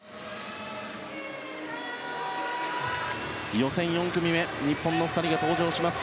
予選４組目日本の２人が登場します。